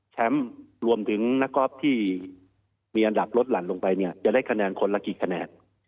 รวมถึงนักกอล์ฟที่มีอันดับลดหลั่นลงไปเนี่ยจะได้คะแนนคนละกี่คะแนน